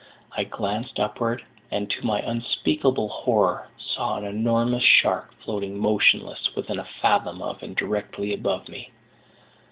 I glanced upward, and, to my unspeakable horror, saw an enormous shark floating motionless within a fathom of and directly above me.